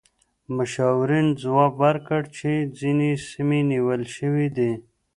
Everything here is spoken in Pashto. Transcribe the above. مشاورین ځواب ورکړ چې ځینې سیمې نیول شوې دي.